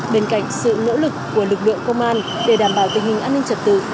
bên cạnh sự nỗ lực của lực lượng công an để đảm bảo tình hình an ninh trật tự